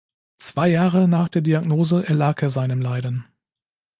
Zwei Jahre nach der Diagnose erlag er seinem Leiden.